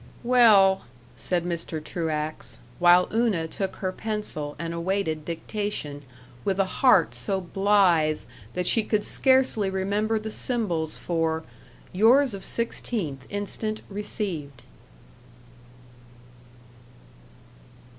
"Well " said Mr. Truax, while Una took her pencil and awaited dictation with a heart so blithe that she could scarcely remember the symbols for "Yours of sixteenth instant received."